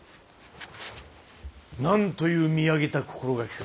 なんという見上げた心がけか。